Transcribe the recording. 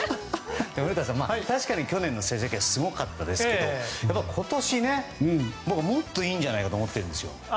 古田さん、確かに去年の成績はすごかったですけどやっぱり今年もっといいんじゃないかと思ってるんですよ。